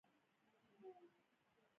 یوه قوه کولی شي په یو شمېر وکتورونو تجزیه شي.